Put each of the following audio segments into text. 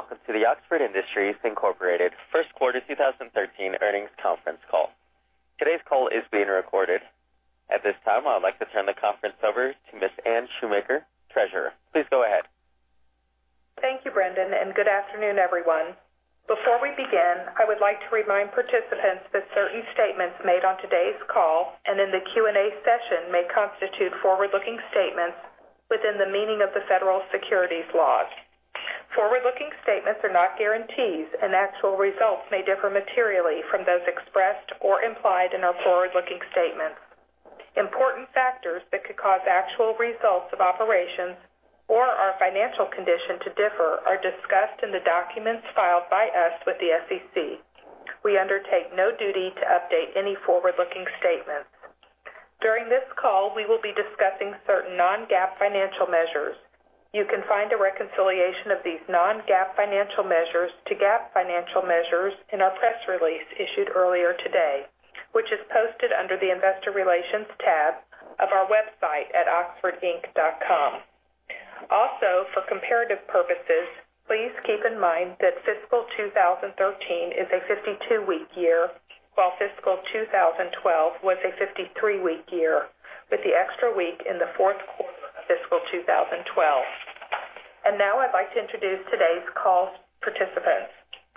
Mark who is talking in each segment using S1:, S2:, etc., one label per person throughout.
S1: Welcome to the Oxford Industries, Inc. First Quarter 2013 earnings conference call. Today's call is being recorded. At this time, I would like to turn the conference over to Ms. Anne Shoemaker, Treasurer. Please go ahead.
S2: Thank you, Brendan. Good afternoon, everyone. Before we begin, I would like to remind participants that certain statements made on today's call and in the Q&A session may constitute forward-looking statements within the meaning of the federal securities laws. Forward-looking statements are not guarantees, and actual results may differ materially from those expressed or implied in our forward-looking statements. Important factors that could cause actual results of operations or our financial condition to differ are discussed in the documents filed by us with the SEC. We undertake no duty to update any forward-looking statements. During this call, we will be discussing certain non-GAAP financial measures. You can find a reconciliation of these non-GAAP financial measures to GAAP financial measures in our press release issued earlier today, which is posted under the investor relations tab of our website at oxfordinc.com. For comparative purposes, please keep in mind that fiscal 2013 is a 52-week year, while fiscal 2012 was a 53-week year, with the extra week in the fourth quarter of fiscal 2012. Now I'd like to introduce today's call participants.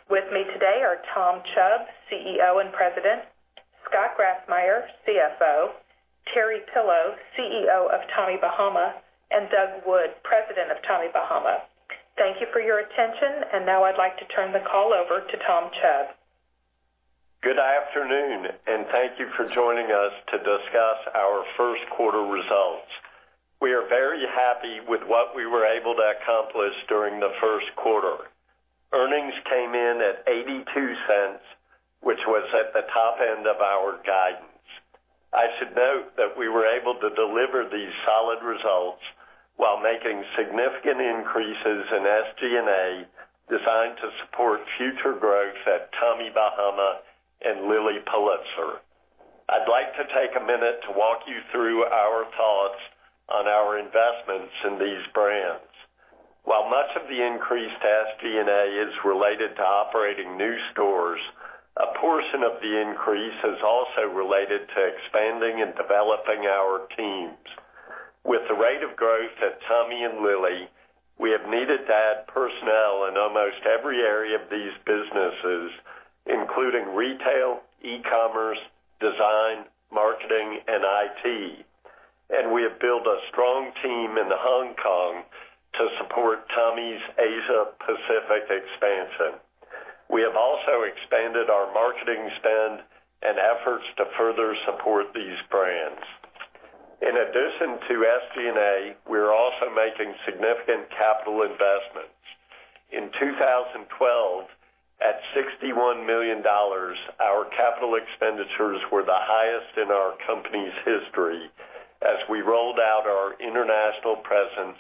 S2: With me today are Tom Chubb, CEO and President, Scott Grassmyer, CFO, Terry Pillow, CEO of Tommy Bahama, and Doug Wood, President of Tommy Bahama. Thank you for your attention. Now I'd like to turn the call over to Tom Chubb.
S3: Good afternoon. Thank you for joining us to discuss our first quarter results. We are very happy with what we were able to accomplish during the first quarter. Earnings came in at $0.82, which was at the top end of our guidance. I should note that we were able to deliver these solid results while making significant increases in SG&A designed to support future growth at Tommy Bahama and Lilly Pulitzer. I'd like to take a minute to walk you through our thoughts on our investments in these brands. While much of the increased SG&A is related to operating new stores, a portion of the increase is also related to expanding and developing our teams. With the rate of growth at Tommy and Lilly, we have needed to add personnel in almost every area of these businesses, including retail, e-commerce, design, marketing, and IT. We have built a strong team in Hong Kong to support Tommy's Asia Pacific expansion. We have also expanded our marketing spend and efforts to further support these brands. In addition to SG&A, we're also making significant capital investments. In 2012, at $61 million, our capital expenditures were the highest in our company's history as we rolled out our international presence,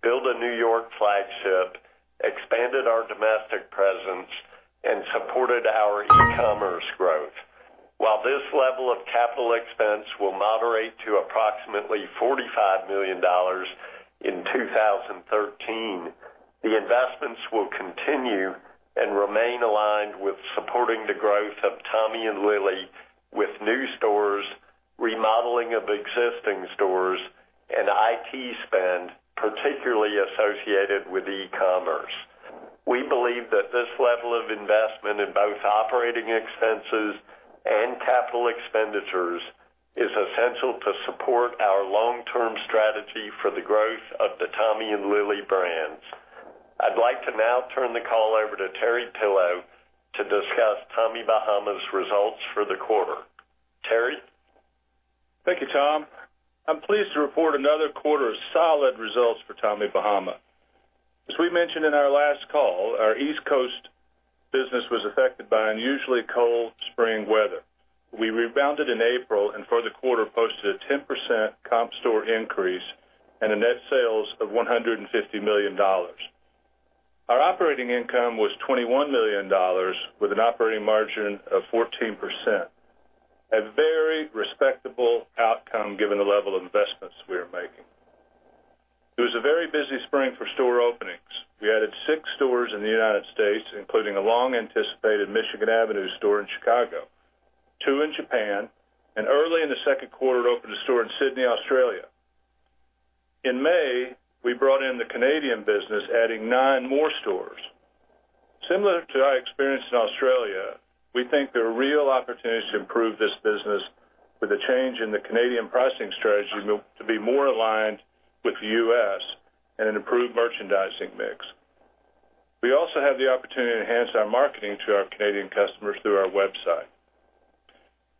S3: built a New York flagship, expanded our domestic presence, and supported our e-commerce growth. While this level of capital expense will moderate to approximately $45 million in 2013, the investments will continue and remain aligned with supporting the growth of Tommy and Lilly with new stores, remodeling of existing stores, and IT spend, particularly associated with e-commerce. We believe that this level of investment in both operating expenses and capital expenditures is essential to support our long-term strategy for the growth of the Tommy and Lilly brands. I'd like to now turn the call over to Terry Pillow to discuss Tommy Bahama's results for the quarter. Terry?
S4: Thank you, Tom. I'm pleased to report another quarter of solid results for Tommy Bahama. As we mentioned in our last call, our East Coast business was affected by unusually cold spring weather. We rebounded in April and for the quarter posted a 10% comp store increase and net sales of $150 million. Our operating income was $21 million with an operating margin of 14%, a very respectable outcome given the level of investments we are making. It was a very busy spring for store openings. We added six stores in the U.S., including a long-anticipated Michigan Avenue store in Chicago, two in Japan, and early in the second quarter opened a store in Sydney, Australia. In May, we brought in the Canadian business, adding nine more stores. Similar to our experience in Australia, we think there are real opportunities to improve this business with a change in the Canadian pricing strategy to be more aligned with the U.S. and an improved merchandising mix. We also have the opportunity to enhance our marketing to our Canadian customers through our website.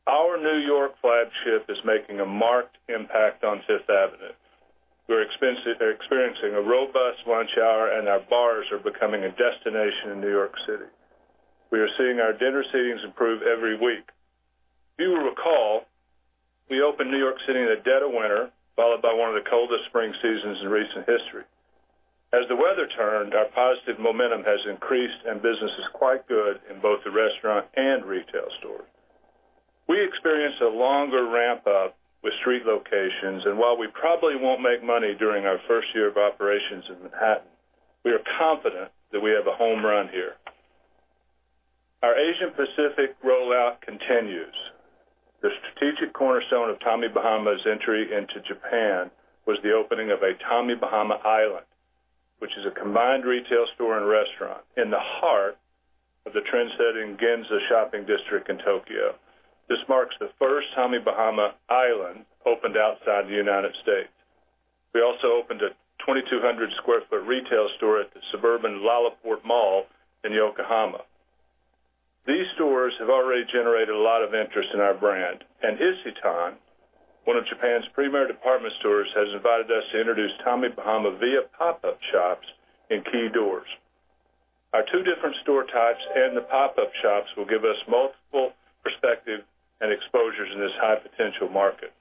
S4: Our New York flagship is making a marked impact on Fifth Avenue. We're experiencing a robust lunch hour, and our bars are becoming a destination in New York City. We are seeing our dinner seatings improve every week. You will recall we opened New York City in the dead of winter, followed by one of the coldest spring seasons in recent history. As the weather turned, our positive momentum has increased, and business is quite good in both the restaurant and retail stores. stronger ramp up with street locations. While we probably won't make money during our first year of operations in Manhattan, we are confident that we have a home run here. Our Asia Pacific rollout continues. The strategic cornerstone of Tommy Bahama's entry into Japan was the opening of a Tommy Bahama Island, which is a combined retail store and restaurant in the heart of the trendsetting Ginza shopping district in Tokyo. This marks the first Tommy Bahama Island opened outside the United States. We also opened a 2,200 sq ft retail store at the suburban LaLaport Yokohama. These stores have already generated a lot of interest in our brand, and Isetan, one of Japan's premier department stores, has invited us to introduce Tommy Bahama via pop-up shops in key doors. Our two different store types and the pop-up shops will give us multiple perspective and exposures in this high potential market.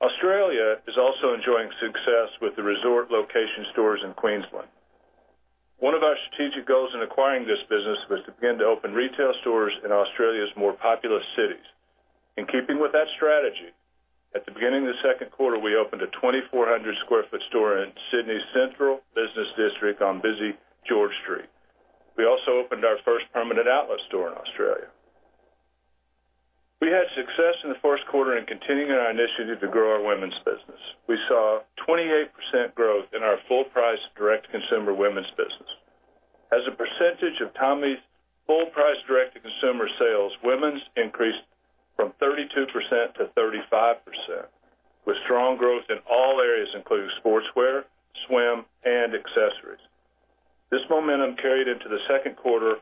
S4: Australia is also enjoying success with the resort location stores in Queensland. One of our strategic goals in acquiring this business was to begin to open retail stores in Australia's more populous cities. In keeping with that strategy, at the beginning of the second quarter, we opened a 2,400 sq ft store in Sydney's central business district on busy George Street. We also opened our first permanent outlet store in Australia. We had success in the first quarter in continuing our initiative to grow our women's business. We saw 28% growth in our full price direct-to-consumer women's business. As a percentage of Tommy's full price direct-to-consumer sales, women's increased from 32% to 35%, with strong growth in all areas, including sportswear, swim, and accessories. This momentum carried into the second quarter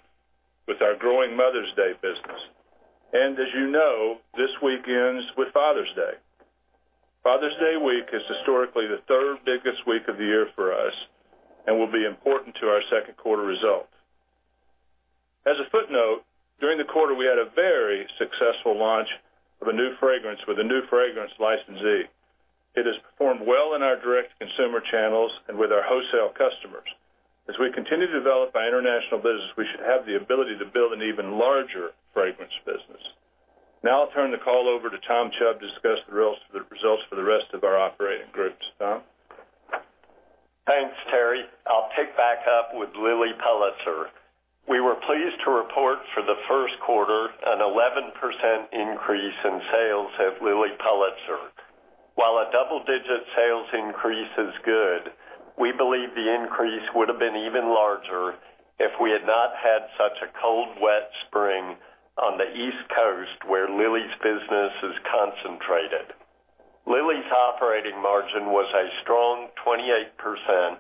S4: with our growing Mother's Day business. As you know, this week ends with Father's Day. Father's Day week is historically the third biggest week of the year for us and will be important to our second quarter results. As a footnote, during the quarter, we had a very successful launch of a new fragrance with a new fragrance licensee. It has performed well in our direct-to-consumer channels and with our wholesale customers. As we continue to develop our international business, we should have the ability to build an even larger fragrance business. I'll turn the call over to Tom Chubb to discuss the results for the rest of our operating groups. Tom?
S3: Thanks, Terry. I'll pick back up with Lilly Pulitzer. We were pleased to report for the first quarter an 11% increase in sales at Lilly Pulitzer. While a double digit sales increase is good, we believe the increase would have been even larger if we had not had such a cold, wet spring on the East Coast, where Lilly's business is concentrated. Lilly's operating margin was a strong 28%,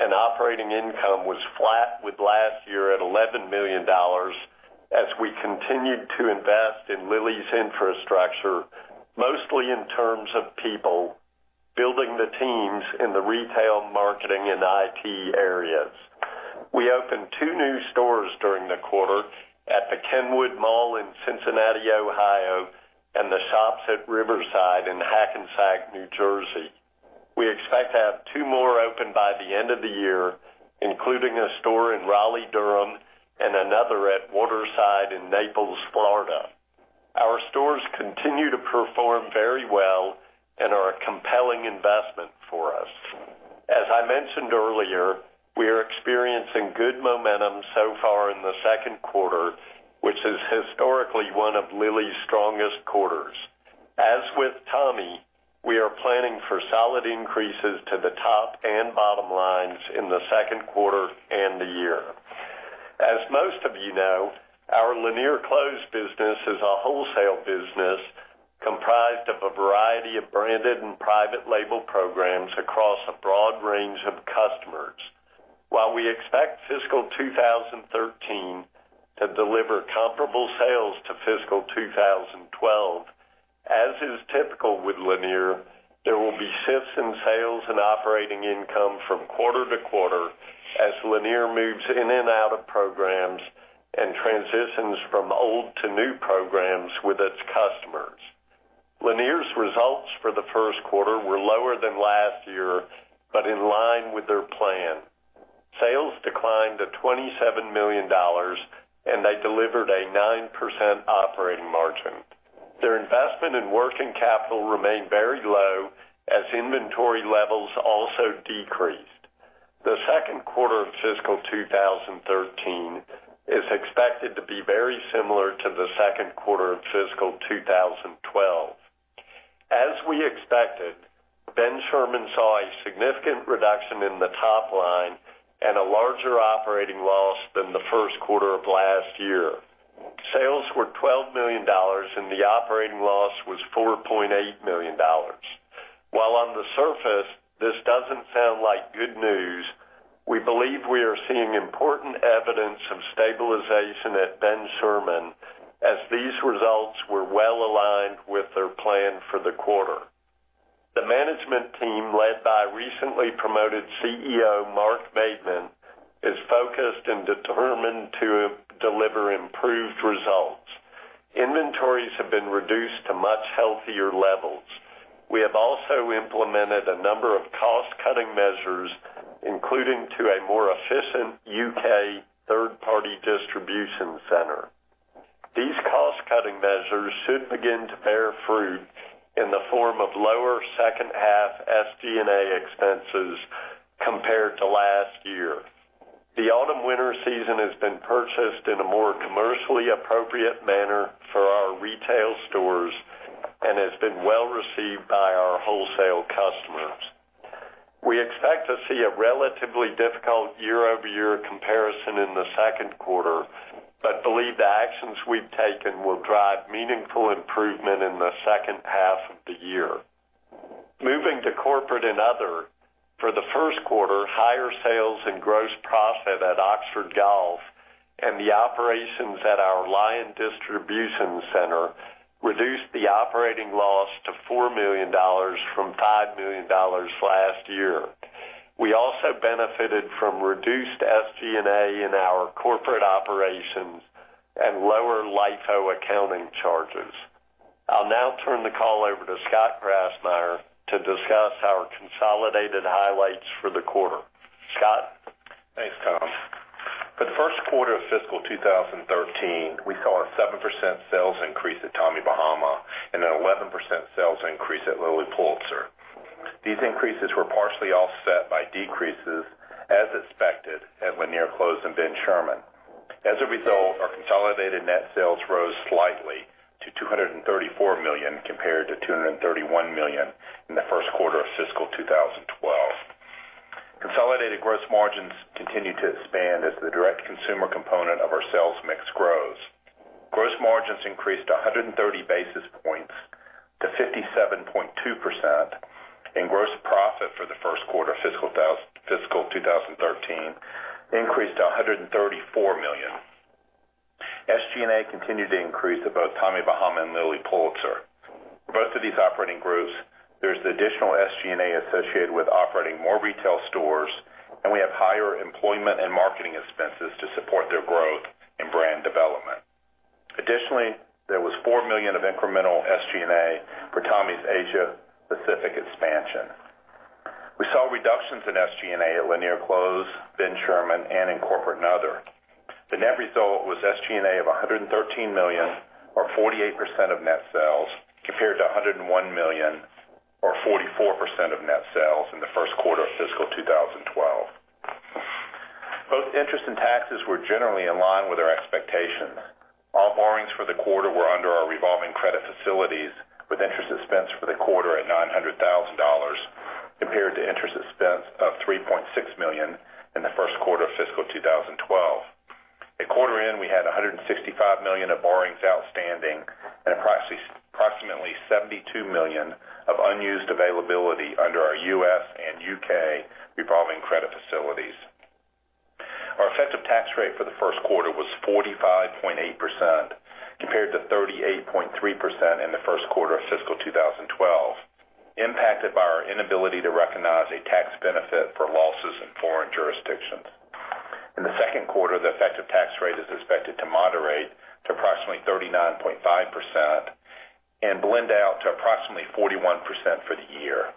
S3: and operating income was flat with last year at $11 million as we continued to invest in Lilly's infrastructure, mostly in terms of people, building the teams in the retail marketing and IT areas. We opened two new stores during the quarter at the Kenwood Mall in Cincinnati, Ohio, and the Shops at Riverside in Hackensack, New Jersey. We expect to have two more open by the end of the year, including a store in Raleigh-Durham and another at Waterside in Naples, Florida. Our stores continue to perform very well and are a compelling investment for us. As I mentioned earlier, we are experiencing good momentum so far in the second quarter, which is historically one of Lilly's strongest quarters. As with Tommy, we are planning for solid increases to the top and bottom lines in the second quarter and the year. As most of you know, our Lanier Clothes business is a wholesale business comprised of a variety of branded and private label programs across a broad range of customers. While we expect fiscal 2013 to deliver comparable sales to fiscal 2012, as is typical with Lanier, there will be shifts in sales and operating income from quarter to quarter as Lanier moves in and out of programs and transitions from old to new programs with its customers. Lanier's results for the first quarter were lower than last year, but in line with their plan. Sales declined to $27 million, and they delivered a 9% operating margin. Their investment in working capital remained very low as inventory levels also decreased. The second quarter of fiscal 2013 is expected to be very similar to the second quarter of fiscal 2012. As we expected, Ben Sherman saw a significant reduction in the top line and a larger operating loss than the first quarter of last year. Sales were $12 million, and the operating loss was $4.8 million. While on the surface this doesn't sound like good news, we believe we are seeing important evidence of stabilization at Ben Sherman as these results were well aligned with their plan for the quarter. The management team, led by recently promoted CEO Mark Maidment, is focused and determined to deliver improved results. Inventories have been reduced to much healthier levels. We have also implemented a number of cost-cutting measures, including to a more efficient U.K. third-party distribution center. These cost-cutting measures should begin to bear fruit in the form of lower second half SG&A expenses compared to last year. The autumn-winter season has been purchased in a more commercially appropriate manner for our retail stores and has been well received by our wholesale customers. We expect to see a relatively difficult year-over-year comparison in the second quarter, but believe the actions we've taken will drive meaningful improvement in the second half of the year. Moving to corporate and other. For the first quarter, higher sales and gross profit at Oxford Golf and the operations at our Lyons distribution center reduced the operating loss to $4 million from $5 million last year. We also benefited from reduced SG&A in our corporate operations and lower LIFO accounting charges. I'll now turn the call over to Scott Grassmyer to discuss our consolidated highlights for the quarter. Scott?
S5: Thanks, Tom. For the first quarter of fiscal 2013, we saw a 7% sales increase at Tommy Bahama and an 11% sales increase at Lilly Pulitzer. These increases were partially offset by decreases, as expected, at Lanier Clothes and Ben Sherman. As a result, our consolidated net sales rose slightly to $234 million compared to $231 million in the first quarter of fiscal 2012. Consolidated gross margins continue to expand as the direct-to-consumer component of our sales mix grows. Gross margins increased 130 basis points to 57.2%, and gross profit for the first quarter of fiscal 2013 increased to $134 million. SG&A continued to increase at both Tommy Bahama and Lilly Pulitzer. For both of these operating groups, there is additional SG&A associated with operating more retail stores, and we have higher employment and marketing expenses to support their growth and brand development. There was $4 million of incremental SG&A for Tommy's Asia Pacific expansion. We saw reductions in SG&A at Lanier Clothes, Ben Sherman, and in corporate and other. The net result was SG&A of $113 million or 48% of net sales, compared to $101 million or 44% of net sales in the first quarter of fiscal 2012. Both interest and taxes were generally in line with our expectations. All borrowings for the quarter were under our revolving credit facilities, with interest expense for the quarter at $900,000 compared to interest expense of $3.6 million in the first quarter of fiscal 2012. At quarter end, we had $165 million of borrowings outstanding and approximately $72 million of unused availability under our U.S. and U.K. revolving credit facilities. Our effective tax rate for the first quarter was 45.8%, compared to 38.3% in the first quarter of fiscal 2012, impacted by our inability to recognize a tax benefit for losses in foreign jurisdictions. In the second quarter, the effective tax rate is expected to moderate to approximately 39.5% and blend out to approximately 41% for the year.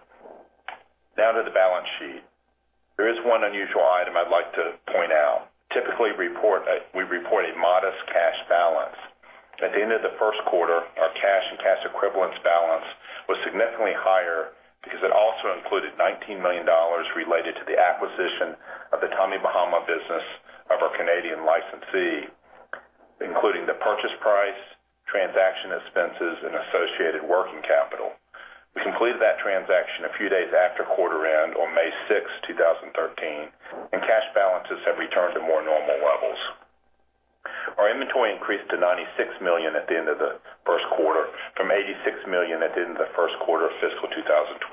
S5: Now to the balance sheet. There is one unusual item I'd like to point out. Typically, we report a modest cash balance. At the end of the first quarter, our cash and cash equivalents balance was significantly higher because it also included $19 million related to the acquisition of the Tommy Bahama business of our Canadian licensee, including the purchase price, transaction expenses, and associated working capital. We completed that transaction a few days after quarter end on May 6, 2013, and cash balances have returned to more normal levels. Our inventory increased to $96 million at the end of the first quarter from $86 million at the end of the first quarter of fiscal 2012.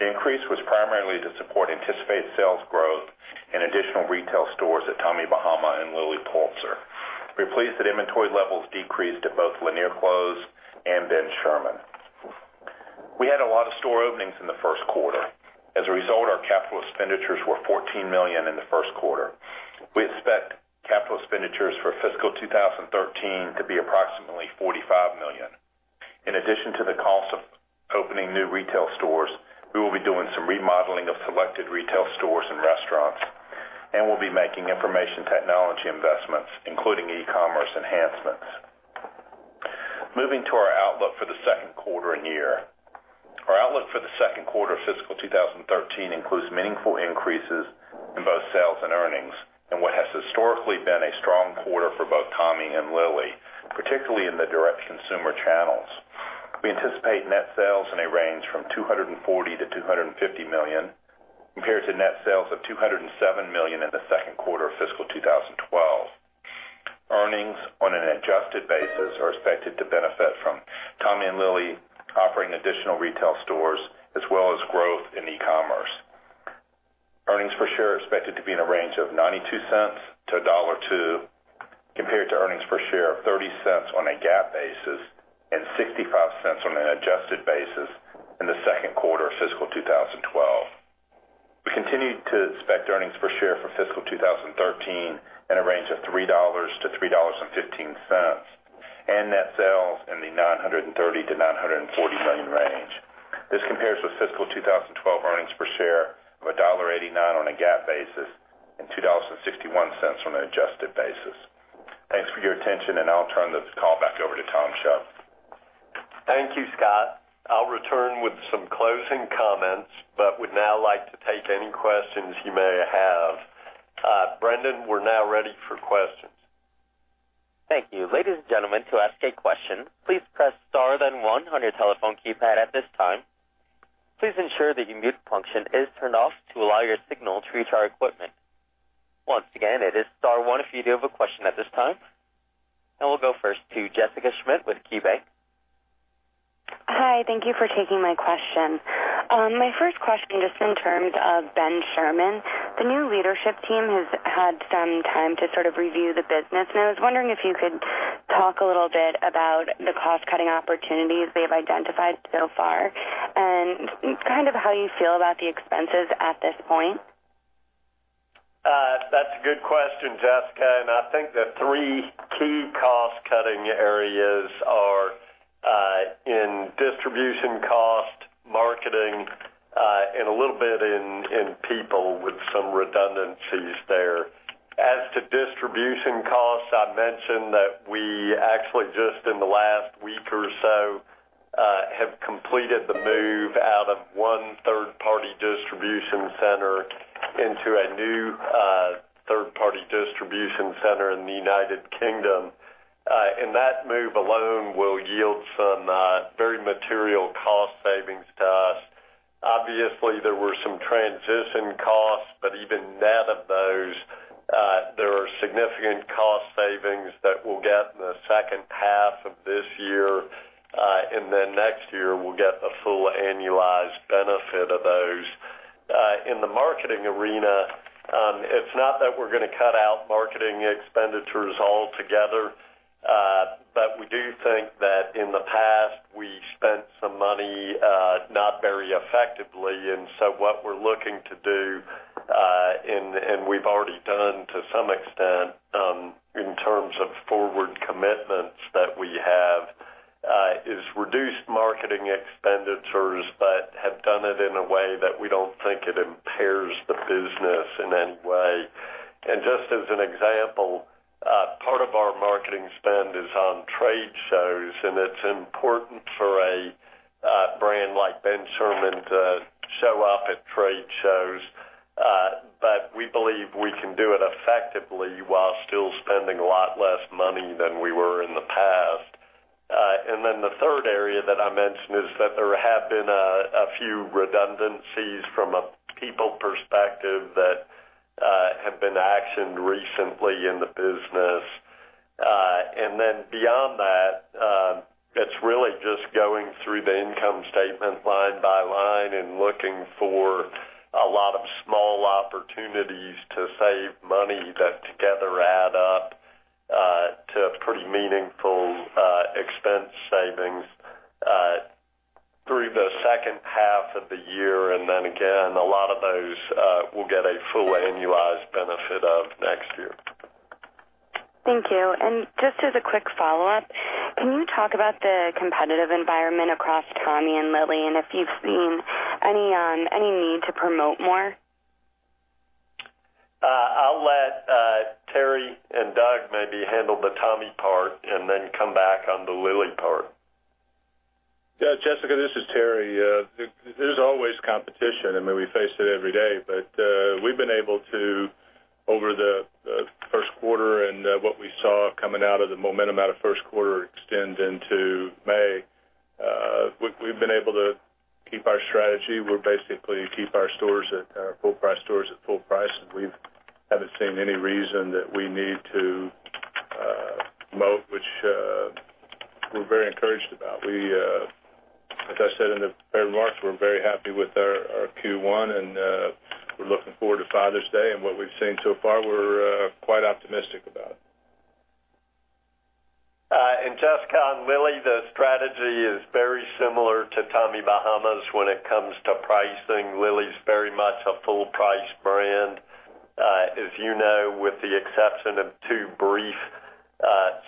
S5: The increase was primarily to support anticipated sales growth in additional retail stores at Tommy Bahama and Lilly Pulitzer. We are pleased that inventory levels decreased at both Lanier Clothes and Ben Sherman. We had a lot of store openings in the first quarter. Our capital expenditures were $14 million in the first quarter. We expect capital expenditures for fiscal 2013 to be approximately $45 million. In addition to the cost of opening new retail stores, we will be doing some remodeling of selected retail stores and restaurants, and we'll be making information technology investments, including e-commerce enhancements. Moving to our outlook for the second quarter and year. Our outlook for the second quarter of fiscal 2013 includes meaningful increases in both sales and earnings in what has historically been a strong quarter for both Tommy Bahama and Lilly Pulitzer, particularly in the direct-to-consumer channels. We anticipate net sales in a range from $240 million-$250 million, compared to net sales of $207 million in the second quarter of fiscal 2012. Earnings on an adjusted basis are expected to benefit from Tommy Bahama and Lilly Pulitzer offering additional retail stores, as well as growth in e-commerce. Earnings per share are expected to be in a range of $0.92-$1.02, compared to earnings per share of $0.30 on a GAAP basis and $0.65 on an adjusted basis in the second quarter of fiscal 2012. We expect earnings per share for fiscal 2013 in a range of $3.00-$3.15, and net sales in the $930 million-$940 million range. This compares with fiscal 2012 earnings per share of $1.89 on a GAAP basis and $2.61 on an adjusted basis. Thanks for your attention, I'll turn this call back over to Tom Chubb.
S3: Thank you, Scott. I'll return with some closing comments, but would now like to take any questions you may have. Brendan, we're now ready for questions.
S1: Thank you. Ladies and gentlemen, to ask a question, please press star then one on your telephone keypad at this time. Please ensure that your mute function is turned off to allow your signal to reach our equipment. Once again, it is star one if you do have a question at this time. We'll go first to Jessica Schmidt with KeyBanc.
S6: Hi. Thank you for taking my question. My first question, just in terms of Ben Sherman. The new leadership team has had some time to sort of review the business, and I was wondering if you could talk a little bit about the cost-cutting opportunities they've identified so far and kind of how you feel about the expenses at this point.
S3: That's a good question, Jessica, and I think the three key cost-cutting areas are in distribution cost, marketing, and a little bit in people with some redundancies there. As to distribution costs, I mentioned that we actually just in the last week or so, have completed the move out of one third-party distribution center into a new third-party distribution center in the U.K. That move alone will yield some very material cost savings to us. Obviously, there were some transition costs, but even net of those, there are significant cost savings that we'll get in the second half of this year, and then next year we'll get the full annualized benefit of those. In the marketing arena, it's not that we're going to cut out marketing expenditures altogether, but we do think that in the past we spent some money not very effectively. What we're looking to do, and we've already done to some extent, in terms of forward commitments that we have, is reduce marketing expenditures but have done it in a way that we don't think it impairs the business in any way. Just as an example, part of our marketing spend is on trade shows, and it's important for a brand like Ben Sherman to show up at trade shows. We believe we can do it effectively while still spending a lot less money than we were in the past. The third area that I mentioned is that there have been a few redundancies from a people perspective that have been actioned recently in the business. Beyond that, it's really just going through the income statement line by line and looking for a lot of small opportunities to save money that together add up to pretty meaningful expense savings through the second half of the year. Again, a lot of those, we'll get a full annualized benefit of next year.
S6: Just as a quick follow-up, can you talk about the competitive environment across Tommy and Lilly and if you've seen any need to promote more?
S3: I'll let Terry and Doug maybe handle the Tommy part and then come back on the Lilly part.
S4: Yeah, Jessica, this is Terry. There's always competition. I mean, we face it every day. We've been able to, over the first quarter and what we saw coming out of the momentum out of first quarter extend into May, we've been able to keep our strategy. We basically keep our full price stores at full price, and we haven't seen any reason that we need to promote, which we're very encouraged about. As I said in the prepared remarks, we're very happy with our Q1, and we're looking forward to Father's Day. What we've seen so far, we're quite optimistic about.
S3: Jessica, on Lilly, the strategy is very similar to Tommy Bahama's when it comes to pricing. Lilly's very much a full-price brand. As you know, with the exception of two brief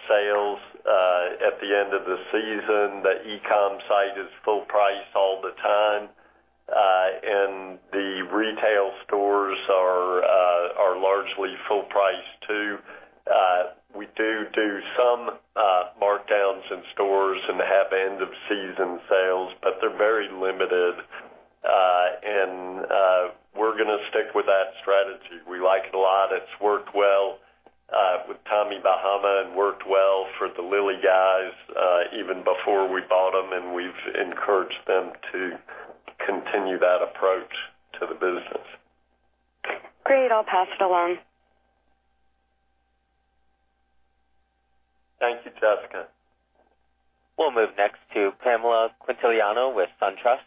S3: sales at the end of the season, the e-commerce site is full price all the time. The retail stores are largely full price too. We do some markdowns in stores and have end of season sales, but they're very limited. We're going to stick with that strategy. We like it a lot. It's worked well with Tommy Bahama and worked well for the Lilly guys even before we bought them, and we've encouraged them to continue that approach to the business.
S6: Great. I'll pass it along.
S3: Thank you, Jessica.
S1: We'll move next to Pamela Quintiliano with SunTrust.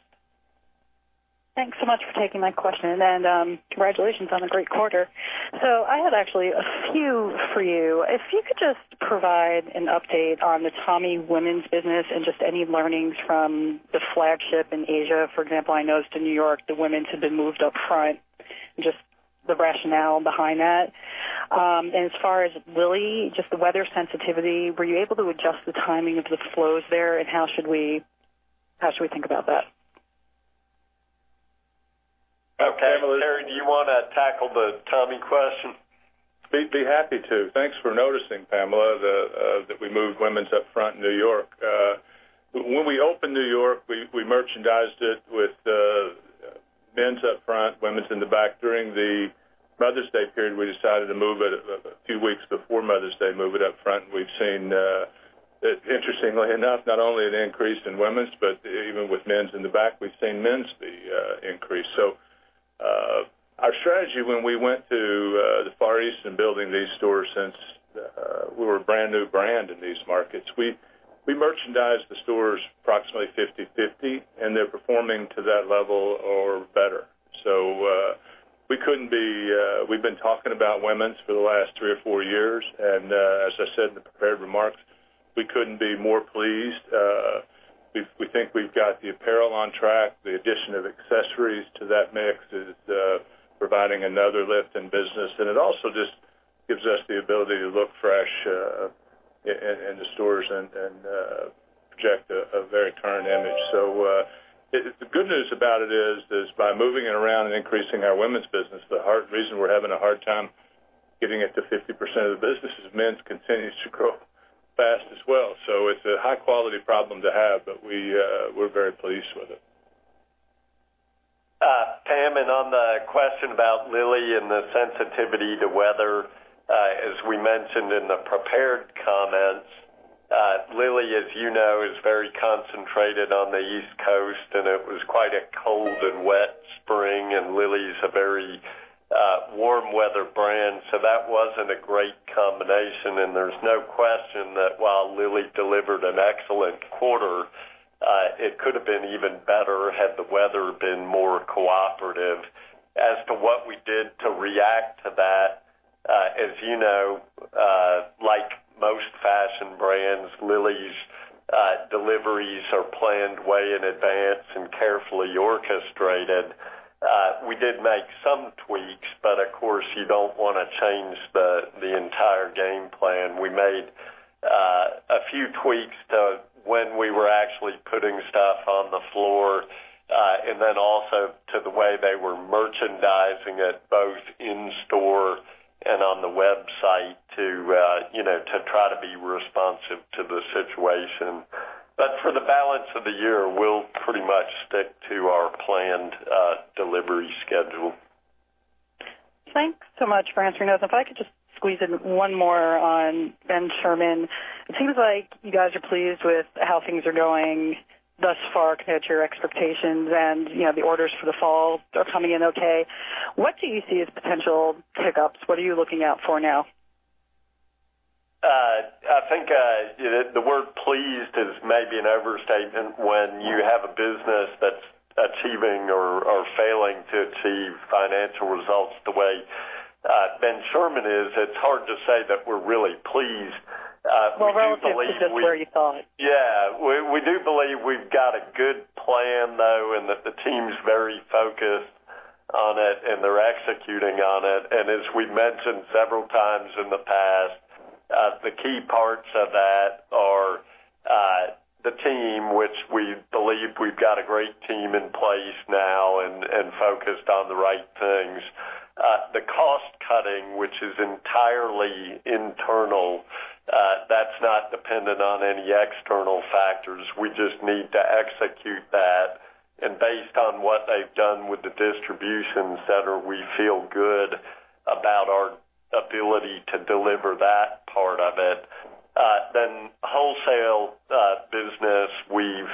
S7: Thanks so much for taking my question, and congratulations on a great quarter. I had actually a few for you. If you could just provide an update on the Tommy women's business and just any learnings from the flagship in Asia. For example, I noticed in New York the women's had been moved up front and just the rationale behind that. As far as Lilly, just the weather sensitivity, were you able to adjust the timing of the flows there, and how should we think about that?
S3: Okay. Terry, do you want to tackle the Tommy question?
S4: Be happy to. Thanks for noticing, Pamela, that we moved women's up front in New York. When we opened New York, we merchandised it with men's up front, women's in the back. During the Mother's Day period, we decided, a few weeks before Mother's Day, to move it up front. We've seen, interestingly enough, not only an increase in women's, but even with men's in the back, we've seen men's be increased. Our strategy when we went to the Far East and building these stores, since we were a brand-new brand in these markets, we merchandised the stores approximately 50/50, and they're performing to that level or better. We've been talking about women's for the last three or four years, and as I said in the prepared remarks, we couldn't be more pleased. We think we've got the apparel on track. The addition of accessories to that mix is providing another lift in business, and it also just gives us the ability to look fresh in the stores and project a very current image. The good news about it is, by moving it around and increasing our women's business, the reason we're having a hard time getting it to 50% of the business is men's continues to grow fast as well. It's a high-quality problem to have, but we're very pleased with it.
S3: Pam, on the question about Lilly and the sensitivity to weather, as we mentioned in the prepared comments, Lilly, as you know, is very concentrated on the East Coast, and it was quite a cold and wet spring, and Lilly's a very warm-weather brand, so that wasn't a great combination. There's no question that while Lilly delivered an excellent quarter, it could have been even better had the weather been more cooperative. As to what we did to react to that, as you know, like most fashion brands, Lilly's deliveries are planned way in advance and carefully orchestrated. We did make some tweaks, but of course, you don't want to change the entire game plan. We made a few tweaks to when we were actually putting stuff on the floor. Also to the way they were merchandising it, both in store and on the website to try to be responsive to the situation. For the balance of the year, we'll pretty much stick to our planned delivery schedule.
S7: Thanks so much for answering those. If I could just squeeze in one more on Ben Sherman. It seems like you guys are pleased with how things are going thus far compared to your expectations. The orders for the fall are coming in okay. What do you see as potential hiccups? What are you looking out for now?
S3: I think the word pleased is maybe an overstatement when you have a business that's achieving or failing to achieve financial results the way Ben Sherman is. It's hard to say that we're really pleased. We do believe.
S7: Relative to just where you thought.
S3: Yeah. We do believe we've got a good plan, though, and that the team's very focused on it and they're executing on it. As we've mentioned several times in the past, the key parts of that are the team, which we believe we've got a great team in place now and focused on the right things. The cost cutting, which is entirely internal, that's not dependent on any external factors. We just need to execute that. Based on what they've done with the distribution center, we feel good about our ability to deliver that part of it. Wholesale business, we've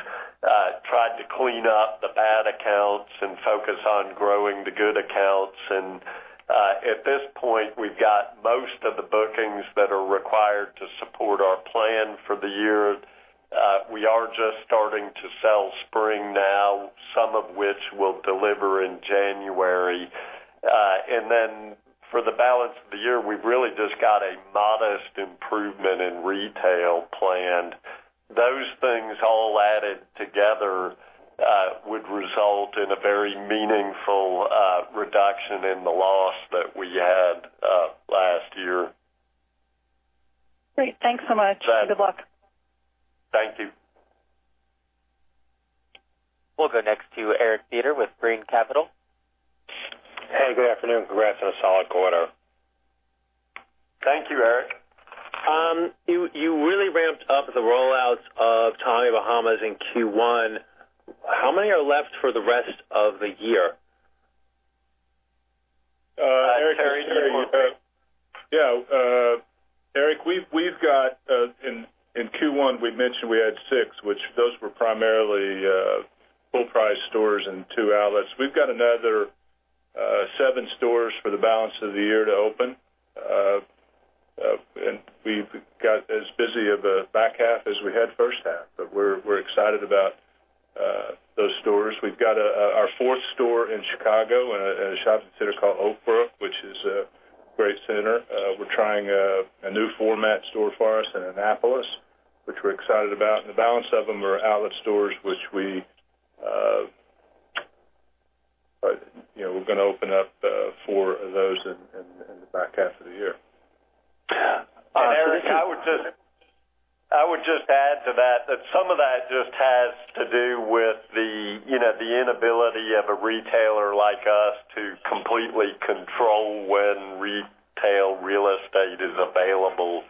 S3: tried to clean up the bad accounts and focus on growing the good accounts. At this point, we've got most of the bookings that are required to support our plan for the year. We are just starting to sell spring now, some of which we'll deliver in January. For the balance of the year, we've really just got a modest improvement in retail planned. Those things all added together would result in a very meaningful reduction in the loss that we had last year.
S7: Great. Thanks so much.
S3: Bye.
S7: Good luck.
S3: Thank you.
S1: We'll go next to Eric Beder with Brean Capital.
S8: Hey, good afternoon. Congrats on a solid quarter.
S3: Thank you, Eric.
S8: You really ramped up the rollouts of Tommy Bahama in Q1. How many are left for the rest of the year?
S4: Eric, it's Terry.
S3: Terry, do you want to take that?
S4: Yeah. Eric, we've got in Q1, we mentioned we had six, which those were primarily full price stores and two outlets. We've got another seven stores for the balance of the year to open. We've got as busy of a back half as we had first half, but we're excited about those stores. We've got our fourth store in Chicago at a shopping center called Oak Brook, which Great center. We're trying a new format store for us in Annapolis, which we're excited about. The balance of them are outlet stores, which we're going to open up four of those in the back half of the year.
S3: Eric, I would just add to that some of that just has to do with the inability of a retailer like us to completely control when retail real estate is available.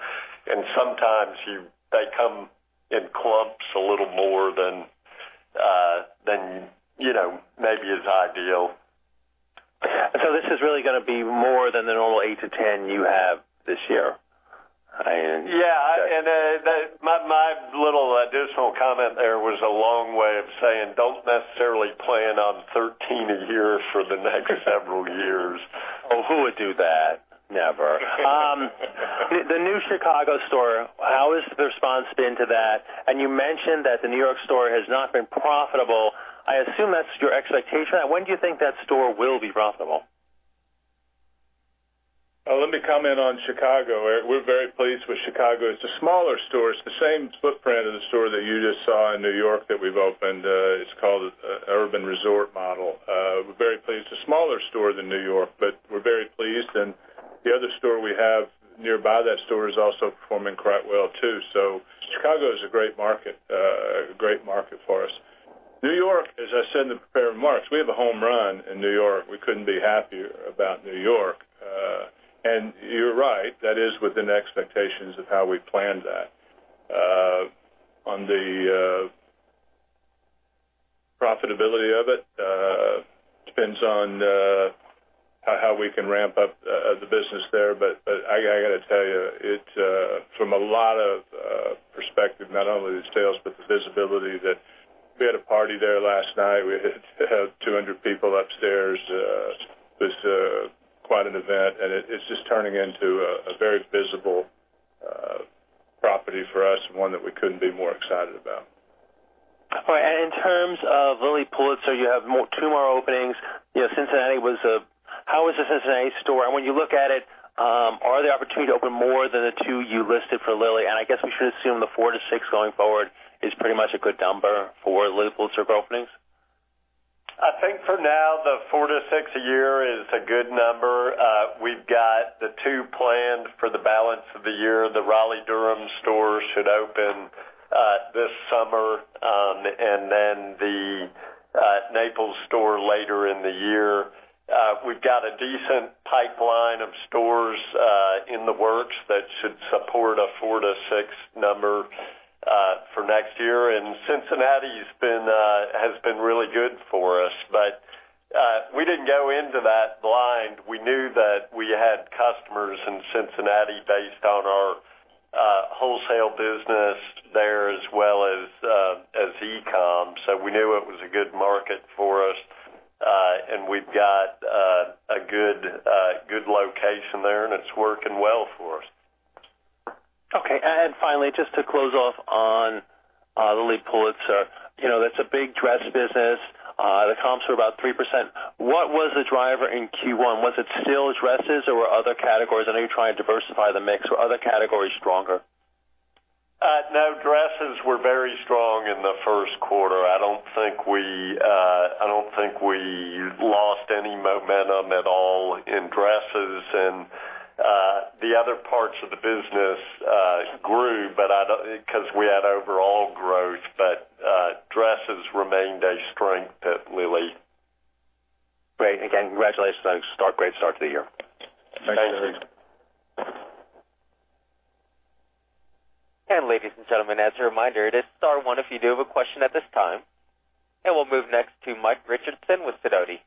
S3: Sometimes they come in clumps a little more than maybe is ideal.
S8: This is really going to be more than the normal eight to 10 you have this year.
S3: Yeah. My little additional comment there was a long way of saying don't necessarily plan on 13 a year for the next several years.
S8: Oh, who would do that? Never. The new Chicago store, how has the response been to that? You mentioned that the New York store has not been profitable. I assume that's your expectation. When do you think that store will be profitable?
S4: Let me comment on Chicago, Eric. We're very pleased with Chicago. It's a smaller store. It's the same footprint of the store that you just saw in New York that we've opened. It's called an urban resort model. We're very pleased. It's a smaller store than New York, but we're very pleased. The other store we have nearby that store is also performing quite well too. Chicago is a great market for us. New York, as I said in the prepared remarks, we have a home run in New York. We couldn't be happier about New York. You're right, that is within expectations of how we planned that. On the profitability of it, depends on how we can ramp up the business there. I got to tell you, from a lot of perspective, not only the sales, but the visibility that we had a party there last night. We had 200 people upstairs. It was quite an event, and it's just turning into a very visible property for us, and one that we couldn't be more excited about.
S8: All right. In terms of Lilly Pulitzer, you have two more openings. How is the Cincinnati store? When you look at it, are there opportunity to open more than the two you listed for Lilly? I guess we should assume the four to six going forward is pretty much a good number for Lilly Pulitzer openings.
S3: I think for now, the four to six a year is a good number. We've got the two planned for the balance of the year. The Raleigh-Durham store should open this summer, and then the Naples store later in the year. We've got a decent pipeline of stores in the works that should support a four to six number for next year. Cincinnati has been really good for us, but we didn't go into that blind. We knew that we had customers in Cincinnati based on our wholesale business there, as well as e-com. We knew it was a good market for us. We've got a good location there, and it's working well for us.
S8: Okay. Finally, just to close off on Lilly Pulitzer, that's a big dress business. The comps were about 3%. What was the driver in Q1? Was it still dresses or were other categories-- I know you're trying to diversify the mix. Were other categories stronger?
S3: No. Dresses were very strong in the first quarter. I don't think we lost any momentum at all in dresses, and the other parts of the business grew because we had overall growth, but dresses remained a strength at Lilly.
S8: Great. Again, congratulations, folks. Great start to the year.
S4: Thanks, Eric.
S3: Thanks.
S1: Ladies and gentlemen, as a reminder, it is star one if you do have a question at this time. We'll move next to Mike Richardson with Sidoti.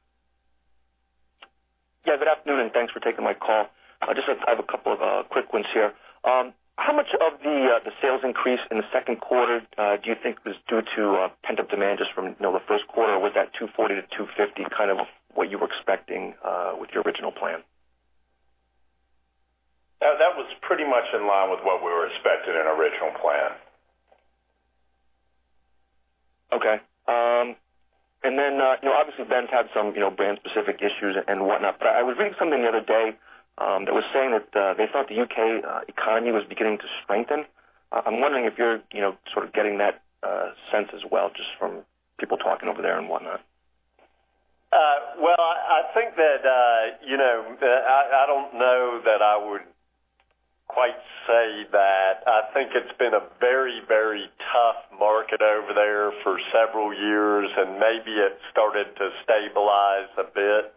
S9: Good afternoon, thanks for taking my call. I just have a couple of quick ones here. How much of the sales increase in the second quarter do you think was due to pent-up demand just from the first quarter? Or was that $240-$250 kind of what you were expecting with your original plan?
S3: That was pretty much in line with what we were expecting in our original plan.
S9: Okay. Then obviously, Ben's had some brand specific issues and whatnot, but I was reading something the other day that was saying that they thought the U.K. economy was beginning to strengthen. I'm wondering if you're sort of getting that sense as well, just from people talking over there and whatnot.
S3: Well, I don't know that I would quite say that. I think it's been a very, very tough market over there for several years, and maybe it's started to stabilize a bit.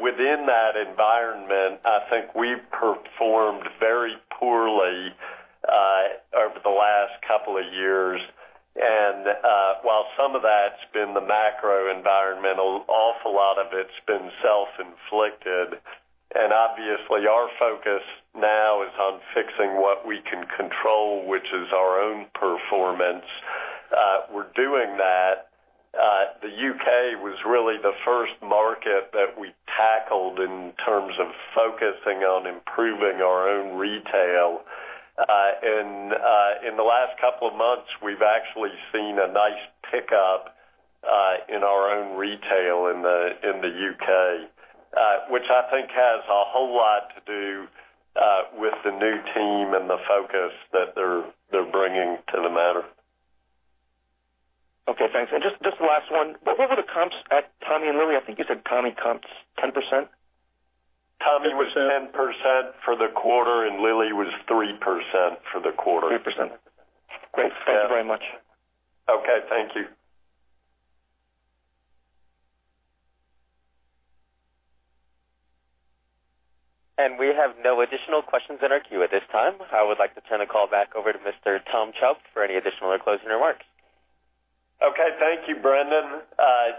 S3: Within that environment, I think we've performed very poorly over the last couple of years. While some of that's been the macroenvironmental, awful lot of it's been self-inflicted. Obviously, our focus now is on fixing what we can control, which is our own performance. We're doing that. The U.K. was really the first market that we tackled in terms of focusing on improving our own retail. In the last couple of months, we've actually seen a nice pickup in our own retail in the U.K., which I think has a whole lot to do with the new team and the focus that they're bringing to the matter.
S9: Okay, thanks. Just the last one. What were the comps at Tommy and Lilly? I think you said Tommy comps 10%?
S3: Tommy was 10% for the quarter, and Lilly was 3% for the quarter.
S9: 3%. Great. Thank you very much.
S3: Okay. Thank you.
S1: We have no additional questions in our queue at this time. I would like to turn the call back over to Mr. Tom Chubb for any additional or closing remarks.
S3: Okay. Thank you, Brendan.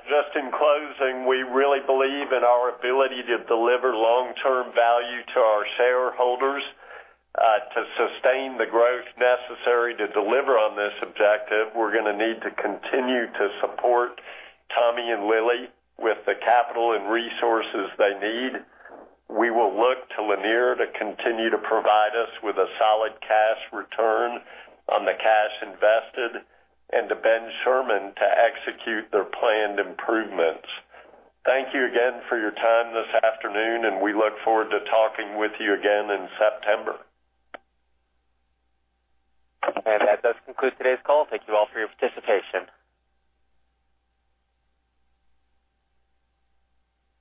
S3: Just in closing, we really believe in our ability to deliver long-term value to our shareholders. To sustain the growth necessary to deliver on this objective, we're going to need to continue to support Tommy and Lilly with the capital and resources they need. We will look to Lanier to continue to provide us with a solid cash return on the cash invested, and to Ben Sherman to execute their planned improvements. Thank you again for your time this afternoon, and we look forward to talking with you again in September.
S1: That does conclude today's call. Thank you all for your participation.